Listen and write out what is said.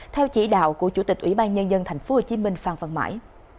theo chỉ đạo của chủ tịch ủy ban nhân dân tp hcm phan văn mãi